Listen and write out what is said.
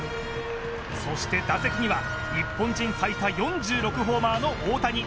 そして打席には日本人最多４６ホーマーの大谷。